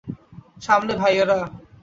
সামলে, ভাইয়েরা।